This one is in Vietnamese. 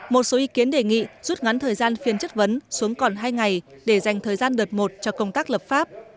một số ý kiến đề nghị rút ngắn thời gian phiên chất vấn xuống còn hai ngày để dành thời gian đợt một cho công tác lập pháp